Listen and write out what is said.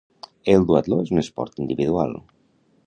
El duatló és un esport individual.